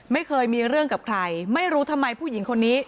ไม่เคยมีเรื่องกับใครไม่รู้ทำไมผู้หญิงคนนี้